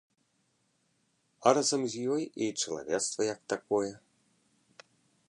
А разам з ёй і чалавецтва як такое.